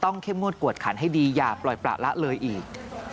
เข้มงวดกวดขันให้ดีอย่าปล่อยประละเลยอีก